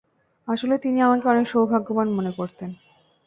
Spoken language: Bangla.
আসলে তিনি আমাকে অনেক সৌভাগ্যবান মনে করতেন।